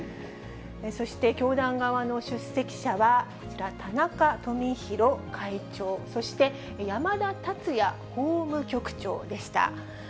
そして教団側の出席者は、こちら、田中富広会長、そして、山田達也法務局長でした。